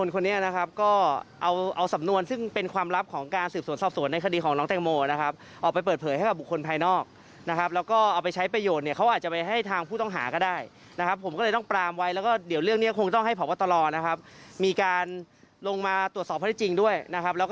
ก็ต้องดำเนินการตามกฎหมายนะครับ